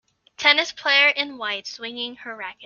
Tennis player in white swinging her racket.